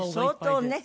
相当ね。